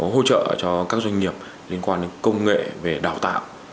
hỗ trợ cho các doanh nghiệp liên quan đến công nghệ về đào tạo